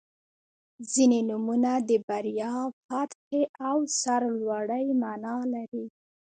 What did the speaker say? • ځینې نومونه د بریا، فتحې او سرلوړۍ معنا لري.